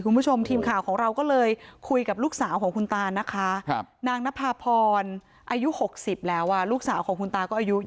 คุณผู้ชมทีมข่าวของเราก็เลยคุยกับลูกสาวของคุณตานางนภพรอายุหกสิบแล้วว่า